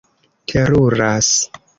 teruras